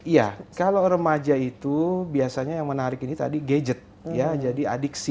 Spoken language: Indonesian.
ya kalau remaja itu biasanya yang menarik ini tadi gadget ya jadi adiksi